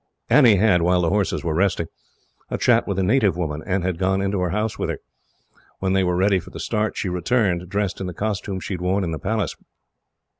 Annie had, while the horses were resting, a chat with a native woman, and had gone into her house with her. When they were ready for the start, she returned, dressed in the costume she had worn in the Palace.